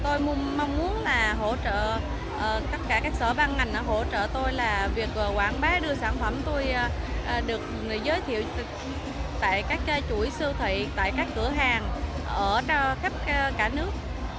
tôi mong muốn là hỗ trợ tất cả các sở ban ngành hỗ trợ tôi là việc quảng bá đưa sản phẩm tôi được giới thiệu tại các chuỗi siêu thị tại các cửa hàng ở cho khắp cả nước